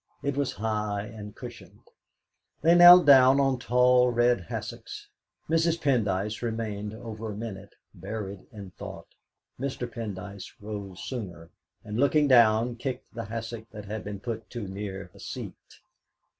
It was high and cushioned. They knelt down on tall red hassocks. Mrs. Pendyce remained over a minute buried in thought; Mr. Pendyce rose sooner, and looking down, kicked the hassock that had been put too near the seat.